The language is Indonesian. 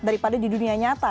daripada di dunia nyata